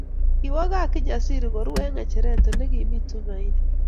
Kiwo gaa Kijasiri koru eng ngecheret Ole kimi Tumaini